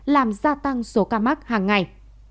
làm gia tăng số ca mắc hàng ngày